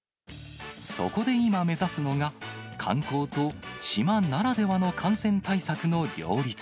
そこで今目指すのが、観光と島ならではの感染対策の両立。